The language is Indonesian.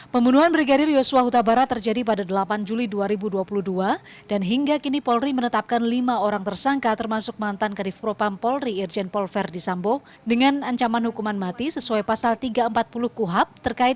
pembunuhan brigadir yosua hutabara terjadi pada delapan hari